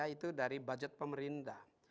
itu dari budget pemerintah